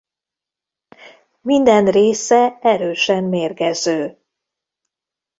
Minden része erősen mérgező.